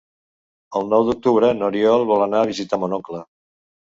El nou d'octubre n'Oriol vol anar a visitar mon oncle.